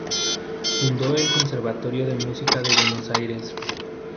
Fundó el Conservatorio de Música de Buenos Aires.